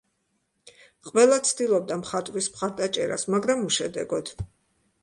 ყველა ცდილობდა მხატვრის მხარდაჭერას, მაგრამ უშედეგოდ.